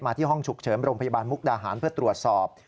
ที่ห้องฉุกเฉินโรงพยาบาลมุกดาหารเพื่อตรวจสอบ